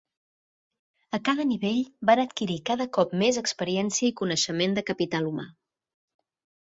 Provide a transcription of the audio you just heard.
A cada nivell van adquirir cada cop més experiència i coneixement de capital humà.